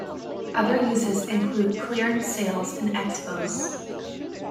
Other uses include clearance sales and Expos.